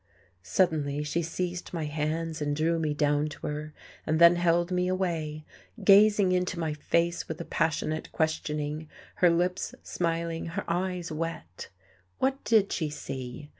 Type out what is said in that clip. Suddenly she seized my hands and drew me down to her, and then held me away, gazing into my face with a passionate questioning, her lips smiling, her eyes wet. What did she see?